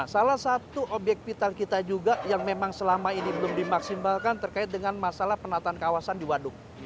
salah satu obyek vital kita juga yang memang selama ini belum dimaksimalkan terkait dengan masalah penataan kawasan di waduk